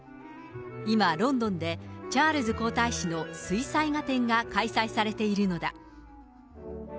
今、ロンドンでチャールズ皇太子の水彩画展が開催されているのだ。